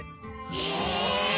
へえ。